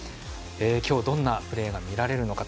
今日、どんなプレーが見られるか。